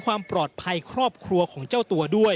ความปลอดภัยครอบครัวของเจ้าตัวด้วย